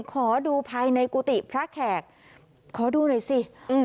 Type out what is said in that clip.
ขอดูภายในกุฏิพระแขกขอดูหน่อยสิอืม